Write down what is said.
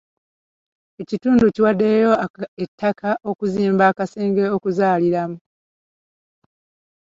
Ekitundu kiwaddeyo ettaka okuzimba akasenge k'okuzaaliramu.